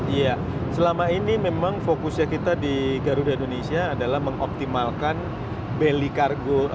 iya selama ini memang fokusnya kita di garuda indonesia adalah mengoptimalkan beli kargo